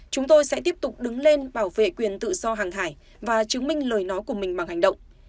chúng tôi sẽ tiếp tục đứng lên bảo vệ quyền tự do hàng hải và chứng minh lời nói của mình bằng hành động